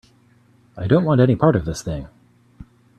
I don't want any part of this thing.